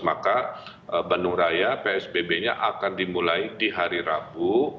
maka bandung raya psbb nya akan dimulai di hari rabu